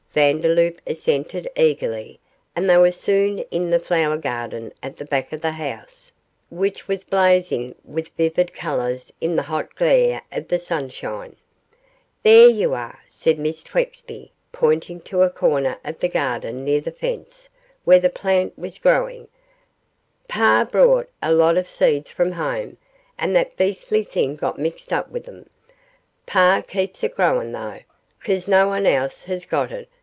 Vandeloup assented eagerly, and they were soon in the flower garden at the back of the house, which was blazing with vivid colours, in the hot glare of the sunshine. 'There you are,' said Miss Twexby, pointing to a corner of the garden near the fence where the plant was growing; 'par brought a lot of seeds from home, and that beastly thing got mixed up with them. Par keeps it growing, though, 'cause no one else has got it.